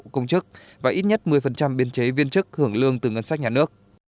công chức và ít nhất một mươi biên chế viên chức hưởng lương từ ngân sách nhà nước